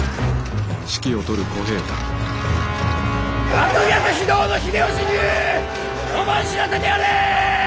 悪逆非道の秀吉に思い知らせてやれ！